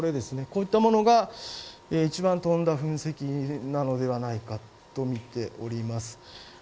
こういったものが一番飛んだ噴石なのではないかとみております。